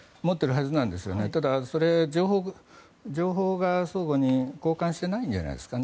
ただそれ、情報を相互に交換してないんじゃないですかね。